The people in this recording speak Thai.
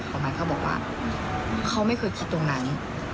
พ่อกับเขามาเขาบอกว่าเขาไม่เคยคิดตรงนั้น